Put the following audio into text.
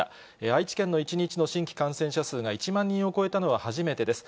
愛知県の１日の新規感染者数が１万人を超えたのは初めてです。